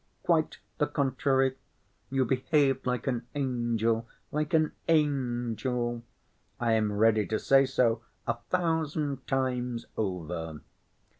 "Quite the contrary; you behaved like an angel, like an angel. I am ready to say so a thousand times over."